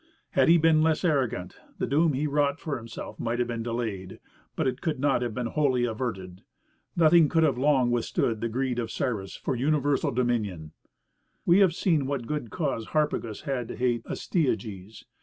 Had he been less arrogant, the doom he wrought for himself might have been delayed, but it could not have been wholly averted. Nothing could have long withstood the greed of Cyrus for universal dominion. We have seen what good cause Harpagus had to hate Astyages.